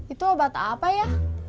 itu obat apa ya